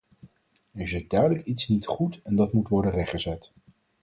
Er zit duidelijk iets niet goed en dat moet worden rechtgezet.